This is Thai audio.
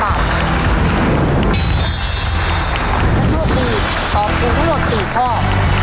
และโทษทีตอบถูกทั้งหมด๔ข้อ